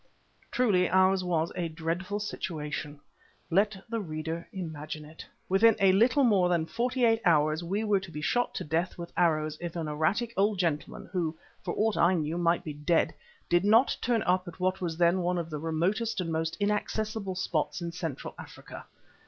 Truly ours was a dreadful situation. Let the reader imagine it. Within a little more than forty eight hours we were to be shot to death with arrows if an erratic old gentleman who, for aught I knew might be dead, did not turn up at what was then one of the remotest and most inaccessible spots in Central Africa.